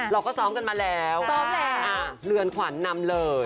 เราก็ซ้อมกันมาแล้วเรือนขวานนำเลย